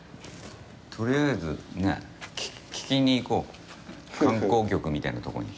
とりあえず、聞きに行こう、観光局みたいなところに。